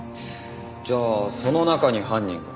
じゃあその中に犯人が？